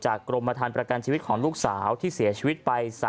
กรมฐานประกันชีวิตของลูกสาวที่เสียชีวิตไป